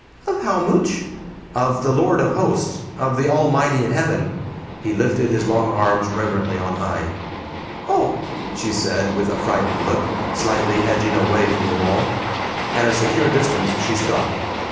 "Of how mooch?" "Of the Lord of Hosts of the Almighty in Heaven." He lifted his long arms reverently on high. "Oh!" she said, with a frightened look, slightly edging away from the wall. At a secure distance she stopped.